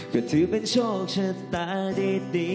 ก็ถือเป็นโชคชะตาดี